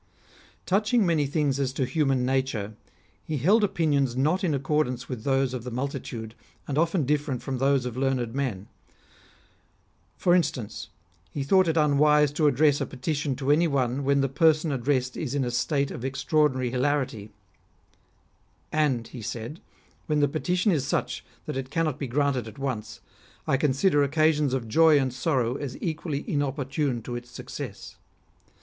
Touching many things as to human nature, he held opinions not in accordance with those of the multitude, and often different from those of learned men. For instance, he thought it unwise to address a petition to any one when the person addressed is in a state of extra ordinary hilarity. " And," he said, " when the petition is such that it cannot be granted at once, I consider occasions of joy and sorrow as equally inopportune to its success.